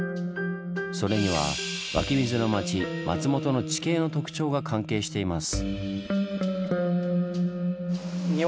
それには「湧き水の町松本」の地形の特徴が関係しています。